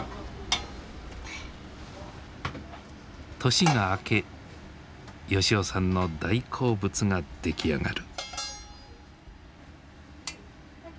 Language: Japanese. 年が明け吉男さんの大好物が出来上がる。